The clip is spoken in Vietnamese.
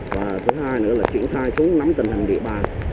và thứ hai nữa là chuyển thai xuống nắm tình hình địa bàn